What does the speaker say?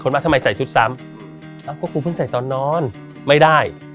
คนบอกทำไมใส่ชุดซ้ำอ้าวก็คือเพิ่งใส่ตอนนอนไม่ได้